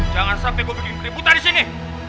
jangan sampe gua bikin peributa di sini